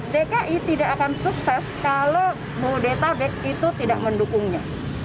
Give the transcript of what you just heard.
dki tidak akan sukses kalau bodetabek itu tidak mendukungnya